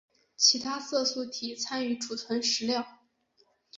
其他色素体参与储存食料。